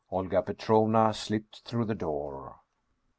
Olga Petrovna slipped through the door.